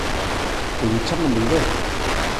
que lle chaman bidé